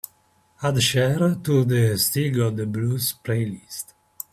Add Chér to the Still Got the Blues playlist